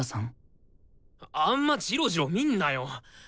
あんまじろじろ見んなよ。